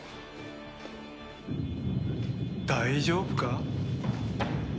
大丈夫か？